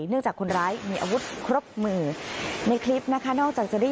เนื่องจากคนร้ายมีอาวุธครบมือในคลิปนะคะนอกจากจะได้